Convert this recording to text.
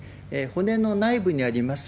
骨の内部にあります